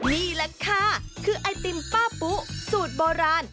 นี่แหละค่ะคือไอติมป้าปุ๊สูตรโบราณ